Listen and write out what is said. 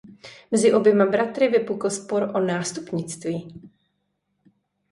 Mezi oběma bratry vypukl spor o nástupnictví.